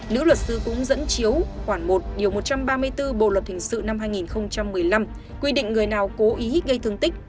nữ luật sư cũng dẫn chiếu khoảng một điều một trăm ba mươi bốn bộ luật hình sự năm hai nghìn một mươi năm quy định người nào cố ý gây thương tích